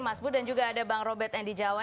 mas bud dan juga ada bang robert andy jawa